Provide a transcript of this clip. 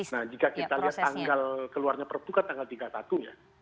nah jika kita lihat tanggal keluarnya perpu kan tanggal tiga puluh satu ya